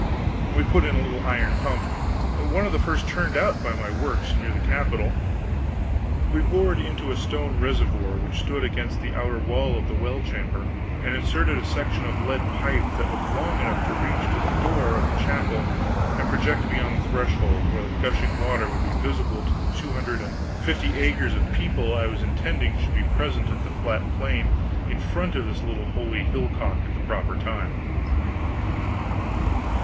We put in a little iron pump, one of the first turned out by my works near the capital; we bored into a stone reservoir which stood against the outer wall of the well chamber and inserted a section of lead pipe that was long enough to reach to the door of the chapel and project beyond the threshold, where the gushing water would be visible to the two hundred and fifty acres of people I was intending should be present on the flat plain in front of this little holy hillock at the proper time.